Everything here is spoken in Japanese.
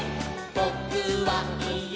「ぼ・く・は・い・え！